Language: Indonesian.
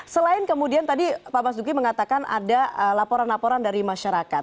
selain kemudian tadi pak mas duki mengatakan ada laporan laporan dari masyarakat